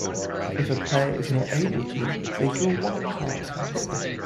If a player is not able to, they draw one card from the stack.